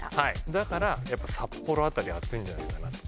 だから札幌辺り熱いんじゃないかなと。